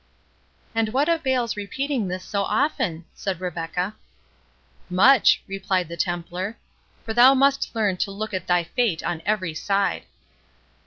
"And what avails repeating this so often?" said Rebecca. "Much," replied the Templar; "for thou must learn to look at thy fate on every side."